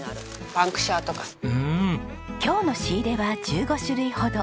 今日の仕入れは１５種類ほど。